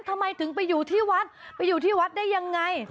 ทำไมถึงไปอยู่ที่วัดไปอยู่ที่วัดได้ยังไง